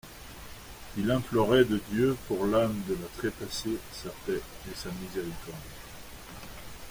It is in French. Ils imploraient de Dieu, pour l'âme de la trépassée, sa paix et sa miséricorde.